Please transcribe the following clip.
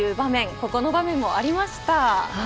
ここの場面もありました。